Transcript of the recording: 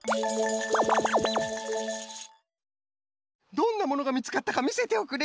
どんなものがみつかったかみせておくれ。